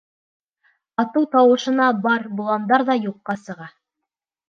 Атыу тауышына бар боландар ҙа юҡҡа сыға.